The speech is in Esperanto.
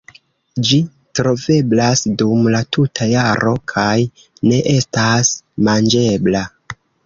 Ĝi troveblas dum la tuta jaro kaj ne estas manĝebla.